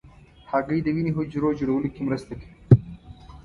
هګۍ د وینې حجرو جوړولو کې مرسته کوي.